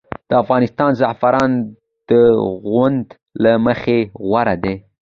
د افغانستان زعفران د خوند له مخې غوره دي